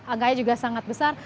anggaknya juga sangat besar